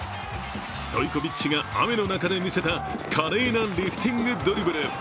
ストイコビッチが雨の中で見せた華麗なリフティングドリブル。